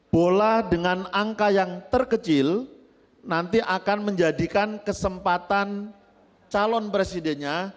bola dengan angka yang terkecil nanti akan menjadikan kesempatan calon presidennya